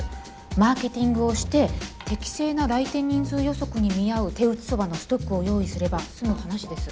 マーケティングをして適正な来店人数予測に見合う手打ち蕎麦のストックを用意すれば済む話です。